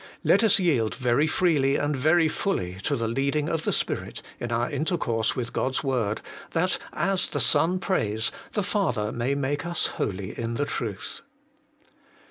Let us yield very freely and very fully to the leading of the Spirit, in our intercourse with God's Word, that, as the Son prays, the Father may make us holy in the truth.